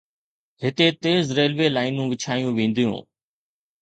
هتي تيز ريلوي لائينون وڇايون وينديون.